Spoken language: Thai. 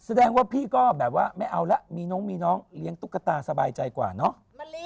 แสดงว่าพี่ก็แบบว่าไม่เอาแล้วมีน้องมีน้องเลี้ยงตุ๊กตาสบายใจกว่าเนอะ